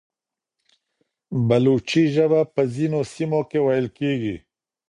بلوچي ژبه په ځینو سیمو کې ویل کېږي.